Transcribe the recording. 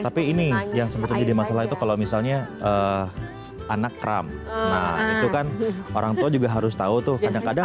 tapi ini yang sebetulnya jadi masalah itu kalau misalnya anak kram nah itu kan orang tua juga harus tahu tuh kadang kadang